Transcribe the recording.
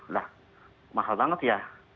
lah mahal banget ya